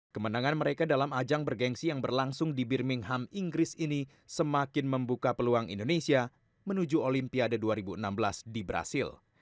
kemenangan mereka dalam ajang bergensi yang berlangsung di birmingham inggris ini semakin membuka peluang indonesia menuju olimpiade dua ribu enam belas di brazil